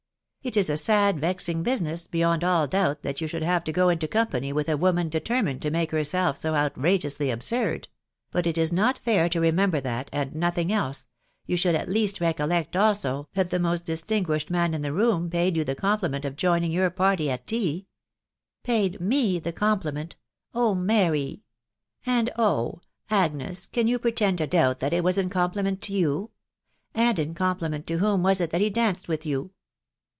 .. It is a sad, vexing business, beyond all doubt, that you should have to go into company with a woman determined to make herself so outrageously absurd ; but it is not fair to remember that, and nothing else .... you should at least recollect also that the most distinguished man in the room paid yon the compliment of joining ^omx ^vcVt «X. \fe*T "Paid me the compliment !..•. On\ HLkc^ << 190 THE WIDOW BARK AST. " And oh ! Agnes, ean you pvetend to daahtdfeai dt«win compliment to you ?..•. And in compliment to ariamn vat it that he danced with yon?